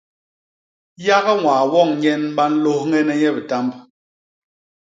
Yak ñwaa woñ nyen ba nlôñhene nye bitamb.